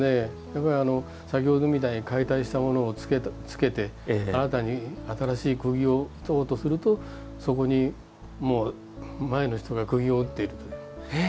先ほどみたいに解体したものをつけて新たに新しいクギを打とうとするとそこに前の人がクギを打っている。